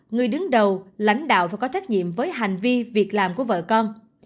người đứng đầu lãnh đạo và có trách nhiệm với hành vi việc làm của vợ con